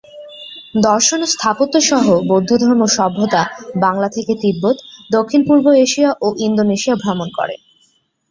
দর্শন ও স্থাপত্য সহ বৌদ্ধধর্ম সভ্যতা বাংলা থেকে তিব্বত, দক্ষিণ -পূর্ব এশিয়া ও ইন্দোনেশিয়া ভ্রমণ করে।